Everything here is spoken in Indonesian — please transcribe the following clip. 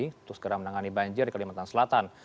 untuk segera menangani banjir di kalimantan selatan